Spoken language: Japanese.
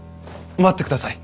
待ってください。